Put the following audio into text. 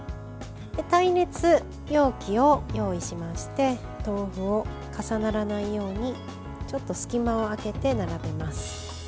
耐熱容器を用意しまして豆腐を重ならないようにちょっと隙間を空けて並べます。